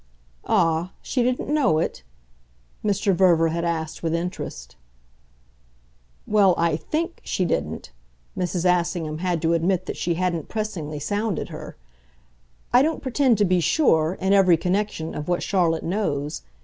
"Ah, she didn't know it?" Mr. Verver had asked with interest. "Well, I THINK she didn't" Mrs. Assingham had to admit that she hadn't pressingly sounded her. "I don't pretend to be sure, in every connection, of what Charlotte knows.